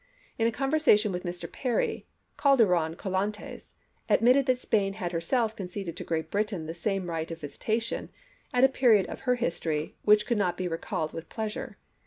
In a conversation with Mr. Perry, Calderon Collantes admitted that Spain had herself conceded to Great Britain the same right of visitation " at a period of her history which could not be recalled with pleasure.